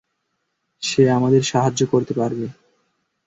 সে আমাদের সাহায্য করতে পারবে।